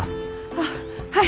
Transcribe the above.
あっはい！